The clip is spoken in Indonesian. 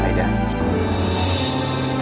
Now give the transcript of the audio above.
adi adi ya tante